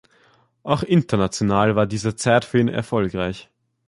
Auch international war diese Zeit für ihn erfolgreich.